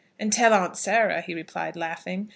"And tell Aunt Sarah," he replied, laughing.